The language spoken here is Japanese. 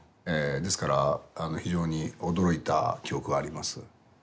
ですから非常に驚いた記憶があります。